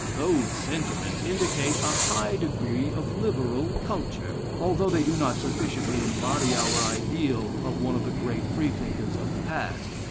Those sentiments indicate a high degree of liberal culture, although they do not sufficiently embody our ideal of one of the great Freethinkers of the past.